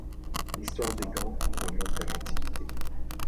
L'histoire des gants remonte à l'Antiquité.